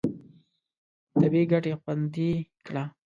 طبیعي ګټې خوندي کړه.